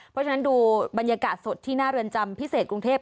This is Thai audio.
เพราะฉะนั้นดูบรรยากาศสดที่หน้าเรือนจำพิเศษกรุงเทพ